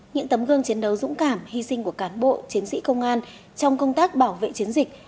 những tấm gương chiến đấu dũng cảm hy sinh của cán bộ chiến sĩ công an trong công tác bảo vệ chiến dịch